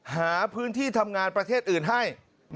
หาพื้นที่ทำงานประเทศอื่นให้